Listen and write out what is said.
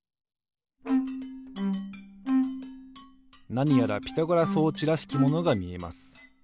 なにやらピタゴラ装置らしきものがみえます。